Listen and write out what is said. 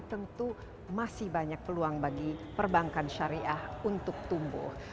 tentu masih banyak peluang bagi perbankan syariah untuk tumbuh